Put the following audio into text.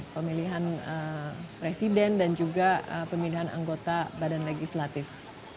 pemilihan presiden dan juga pemilihan anggota badan legislatif